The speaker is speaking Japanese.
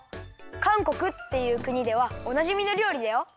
かんこくっていうくにではおなじみのりょうりだよ。